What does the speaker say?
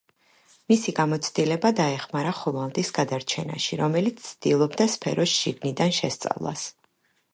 მისი გამოცდილება დაეხმარა ხომალდის გადარჩენაში, რომელიც ცდილობდა სფეროს შიგნიდან შესწავლას.